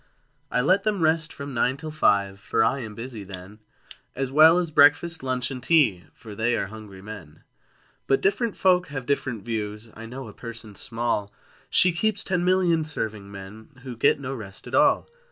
I let them rest from nine till five. For I am busy then, As well as breakfast, lunch, and tea, For they are hungry men: But different folk have different views: I know a person small She keeps ten million serving men, Who get no rest at all!